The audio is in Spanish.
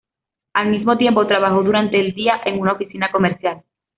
Al mismo tiempo, trabajó durante el día en una oficina comercial.